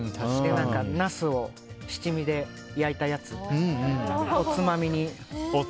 ナスを七味で焼いたやつをつまみに。